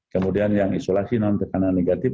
kemudian yang isolasi non tekanan negatif